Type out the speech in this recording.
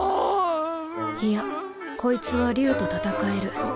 いやこいつは竜と戦える。